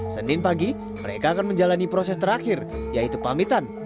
senin pagi mereka akan menjalani proses terakhir yaitu pamitan